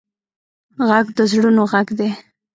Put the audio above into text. غږ د زړونو غږ دی